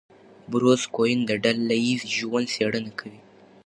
بروس کوئن د ډله ایز ژوند څېړنه کوي.